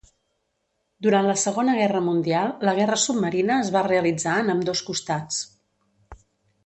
Durant la Segona Guerra Mundial, la guerra submarina es va realitzar en ambdós costats.